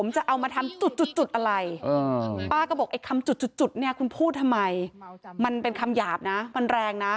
จะเอามาทำจุดอะไรป้าก็บอกไอ้คำจุดเนี่ยคุณพูดทำไมมันเป็นคำหยาบนะมันแรงนะ